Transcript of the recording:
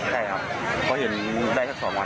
ใช่ครับพอเห็นได้ซัก๒วัน